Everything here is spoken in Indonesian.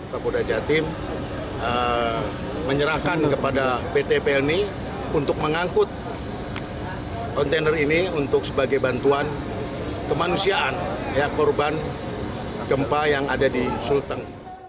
kapol dajatim menyerahkan kepada pt pelni untuk mengangkut kontainer ini untuk sebagai bantuan kemanusiaan yang korban gempa yang ada di sultan